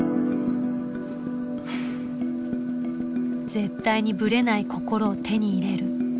絶対にぶれない心を手に入れる。